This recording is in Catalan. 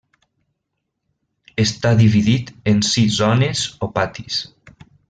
Està dividit en sis zones o patis: